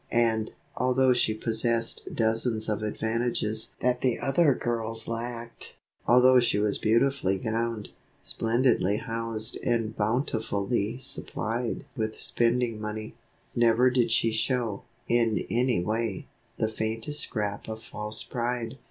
And, although she possessed dozens of advantages that the other girls lacked, although she was beautifully gowned, splendidly housed and bountifully supplied with spending money, never did she show, in any way, the faintest scrap of false pride.